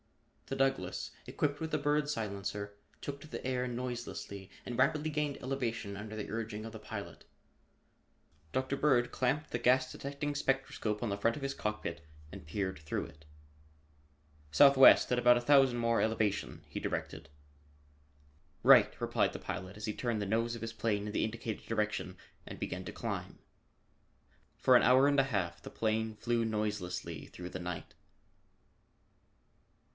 The Douglass equipped with the Bird silencer, took the air noiselessly and rapidly gained elevation under the urging of the pilot. Dr. Bird clamped the gas detecting spectroscope on the front of his cockpit and peered through it. "Southwest, at about a thousand more elevation," he directed. "Right!" replied the pilot as he turned the nose of his plane in the indicated direction and began to climb. For an hour and a half the plane flew noiselessly through the night.